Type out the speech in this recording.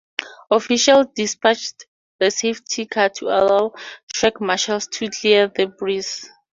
Officials dispatched the safety car to allow track marshals to clear debris.